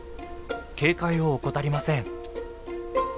警戒を怠りません。